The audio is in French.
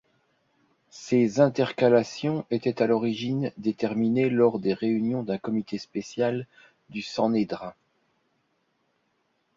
Ces intercalations étaient à l'origine déterminées lors des réunions d'un comité spécial du Sanhédrin.